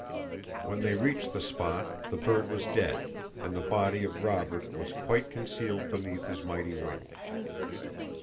When they reached the spot the bird was dead, and the body of Robert was quite concealed beneath his mighty wings.